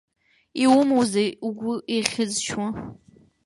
Иумоузеи угәы еихьызшьуа?